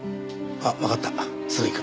わかったすぐ行く。